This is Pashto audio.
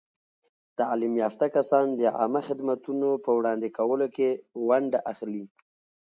تعلیم یافته کسان د عامه خدمتونو په وړاندې کولو کې ونډه اخلي.